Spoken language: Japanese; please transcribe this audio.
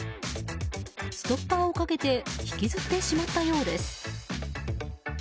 ストッパーをかけて引きずってしまったようです。